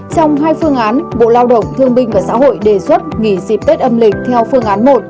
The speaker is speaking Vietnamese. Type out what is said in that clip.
trong hai phương án bộ lao động thương binh và xã hội đề xuất nghỉ dịp tết âm lịch theo phương án một